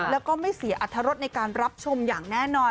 แล้วก็ไม่เสียอัตรรสในการรับชมอย่างแน่นอน